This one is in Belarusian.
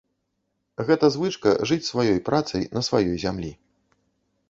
Гэта звычка жыць сваёй працай на сваёй зямлі.